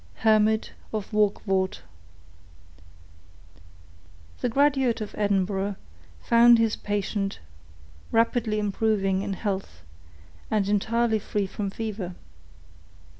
—Hermit of Warkevorth. The graduate of Edinburgh found his patient rapidly improving in health, and entirely free from fever.